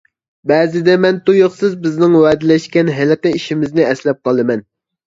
بەزىدە مەن تۇيۇقسىز بىزنىڭ ۋەدىلەشكەن ھېلىقى ئىشىمىزنى ئەسلەپ قالىمەن.